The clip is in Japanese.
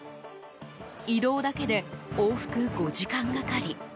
移動だけで、往復５時間がかり。